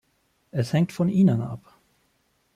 Es hängt von ihnen ab.